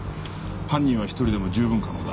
犯人は１人でも十分可能だ。